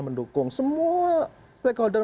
mendukung semua stakeholder